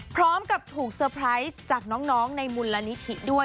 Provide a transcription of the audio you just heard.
พร้อมกับถูกเซอร์ไพรส์จากน้องในมูลนิธิด้วย